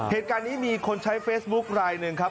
เหตุการณ์นี้มีคนใช้เฟซบุ๊คลายหนึ่งครับ